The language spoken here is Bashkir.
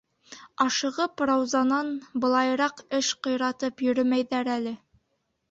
Ашығып, Раузанан былайыраҡ эш ҡыйратып йөрөмәйҙәр әле.